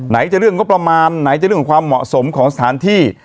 จะเรื่องงบประมาณไหนจะเรื่องความเหมาะสมของสถานที่